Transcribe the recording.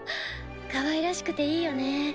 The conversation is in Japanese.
かわいらしくていいよねぇ。